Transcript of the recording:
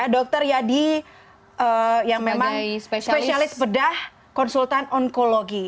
dokter yadi yang memang spesialis bedah konsultan onkologi